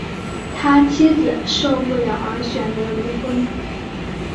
他妻子受不了而选择离婚